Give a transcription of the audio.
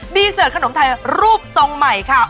เสิร์ตขนมไทยรูปทรงใหม่ค่ะ